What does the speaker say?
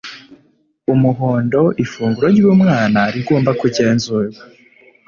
umuhondo ifunguro ry'umwana rigomba kugenzurwa